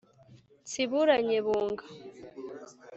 nsibura nyebunga